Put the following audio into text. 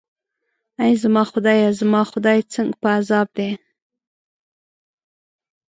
ای زما خدایه، زما خدای، څنګه په عذاب دی.